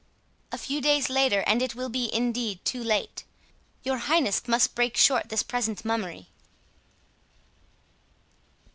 A few days later, and it will be indeed too late. Your highness must break short this present mummery."